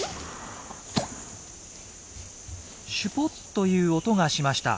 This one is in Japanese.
シュポッという音がしました。